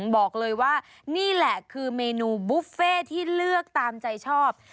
บอกเลยว่านี่แหละคือเมนูบุฟเฟ่ที่เลือกตามใจชอบ